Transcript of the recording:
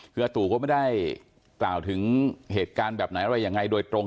คืออาตู่ก็ไม่ได้กล่าวถึงเหตุการณ์แบบไหนอะไรยังไงโดยตรง